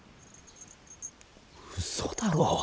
うそだろ。